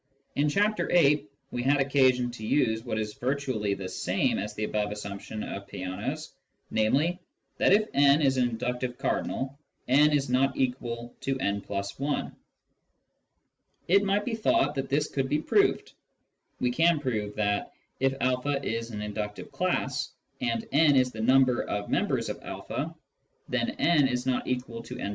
In Chapter VIII. we had occasion to use what is virtually the same as the above assumption of Peano's, namely, that, if n is an inductive cardinal, 131 132 Introduction to Mathematical Philosophy n is not equal to n+i. It might be thought that this could be proved. We can prove that, if a is an inductive class, and n is the number of members of a, then n is not equal to h+i.